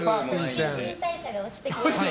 新陳代謝が落ちてきて。